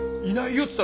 「いないよ」